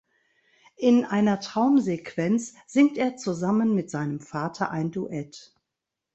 In einer Traumsequenz singt er zusammen mit seinem Vater ein Duett.